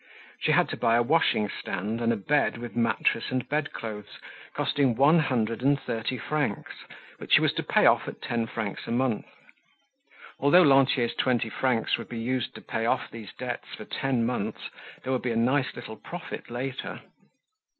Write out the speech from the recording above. She had to buy a washing stand and a bed with mattress and bedclothes, costing one hundred and thirty francs, which she was to pay off at ten francs a month. Although Lantier's twenty francs would be used to pay off these debts for ten months, there would be a nice little profit later.